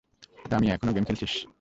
রামিয়া, এখনো গেম খেলছিস?